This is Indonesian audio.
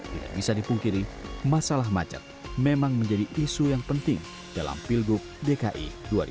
tidak bisa dipungkiri masalah macet memang menjadi isu yang penting dalam pilgub dki dua ribu tujuh belas